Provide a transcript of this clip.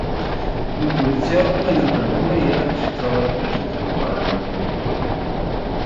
Un poliziotto aiuta una cameriera che si trova alle prese con un padre malvivente.